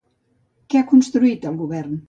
Què ha construït el govern?